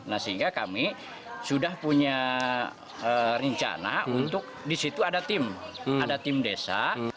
nah sehingga kami sudah punya rencana untuk di situ ada tim ada tim desa